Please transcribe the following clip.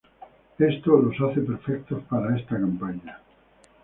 Esto los hace perfectos para esta campaña.